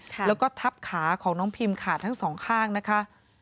แล้วก็ทับขาของน้องพิมขาดทั้งสองข้างนะคะ